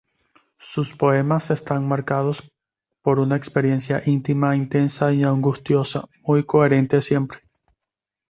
Sus poemas están marcados por una experiencia íntima, intensa y angustiosa, muy coherente siempre.